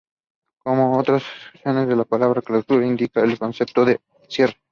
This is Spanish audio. Como otras acepciones de la palabra ""clausura"", indica el concepto de ""cierre"".